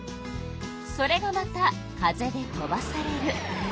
それがまた風で飛ばされる。